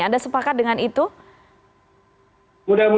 ada sepakat dengan itu